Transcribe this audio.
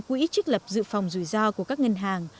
quỹ trích lập dự phòng rủi ro của các ngân hàng